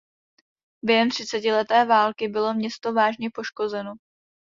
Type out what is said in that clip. Během třicetileté války bylo město vážně poškozeno.